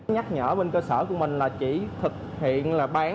nhắc nhở bên cơ sở của mình là chỉ thực hiện là bán